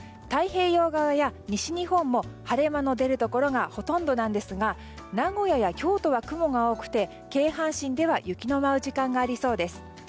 太平洋側や西日本も晴れ間の出るところがほとんどですが名古屋や京都は雲が多くて京阪神では雪の舞う時間がありそうです。